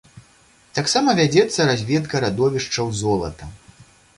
Таксама вядзецца разведка радовішчаў золата.